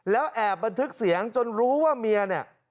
แล้วแอบบันทึกเสียงจนรู้ว่าเมียเนี่ย